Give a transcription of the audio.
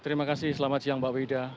terima kasih selamat siang mbak wida